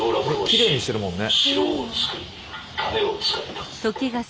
きれいにしてるもんね。